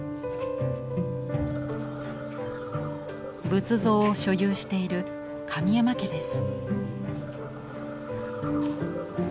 仏像を所有している神山家です。